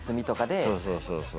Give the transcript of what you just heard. そうそうそうそう。